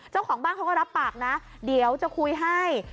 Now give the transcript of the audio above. เจ้าของบ้านเขาก็รับปากนะเดี๋ยวจะคุยให้